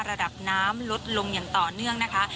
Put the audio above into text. ระดับน้ำลดลงอย่างต่อเนื่องนะคะ